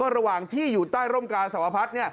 ระหว่างที่อยู่ใต้ร่มกาสวพัฒน์